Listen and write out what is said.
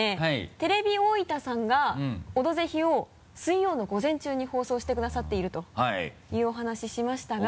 テレビ大分さんが「オドぜひ」を水曜の午前中に放送してくださっているというお話しましたが。